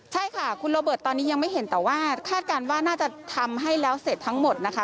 ใช่ค่ะคุณโรเบิร์ตตอนนี้ยังไม่เห็นแต่ว่าคาดการณ์ว่าน่าจะทำให้แล้วเสร็จทั้งหมดนะคะ